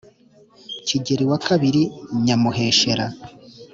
kigeli wa babiri nyamuheshera